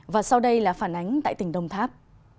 và sau đây là phản ánh tại tỉnh đồng tháp